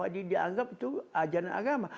dianggap itu ajaran agama